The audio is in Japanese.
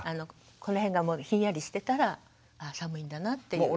この辺がひんやりしてたらあ寒いんだなっていう。